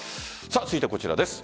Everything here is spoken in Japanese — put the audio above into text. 続いてはこちらです。